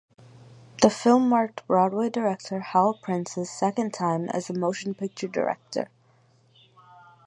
The film marked Broadway director Hal Prince's second time as a motion picture director.